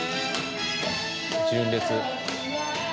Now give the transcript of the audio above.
純烈。